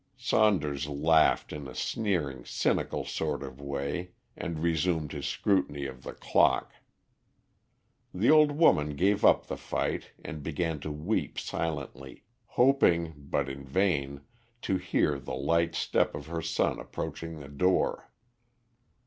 Saunders laughed in a sneering, cynical sort of way and resumed his scrutiny of the clock. The old woman gave up the fight and began to weep silently, hoping, but in vain, to hear the light step of her son approaching the door.